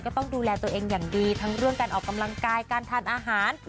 ต้องดูแลตัวเองอย่างดีทั้งเรื่องการออกกำลังกายการทานอาหาร